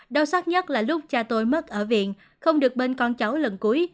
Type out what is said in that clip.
đau sắc nhất là lúc cha tôi mất ở viện không được bên con cháu lần cuối